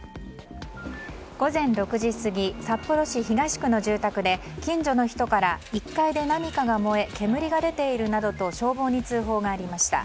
午前６時過ぎ札幌市東区の住宅で近所の人から、１階で何かが燃え煙が出ているなどと消防に通報がありました。